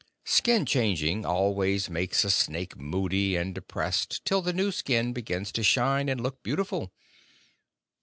Skin changing always makes a snake moody and depressed till the new skin begins to shine and look beautiful.